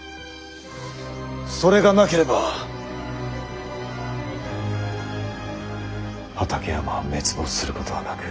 それがなければ畠山は滅亡することはなく。